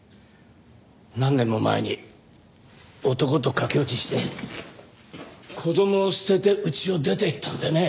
何年も前に男と駆け落ちして子供を捨てて家を出て行ったんでね。